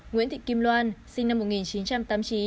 nguyễn thị kim loan sinh năm một nghìn chín trăm tám mươi chín